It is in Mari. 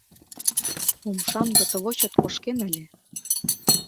Умшам дотово чот кошкен ыле.